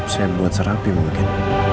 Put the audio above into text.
saya buat serapi mungkin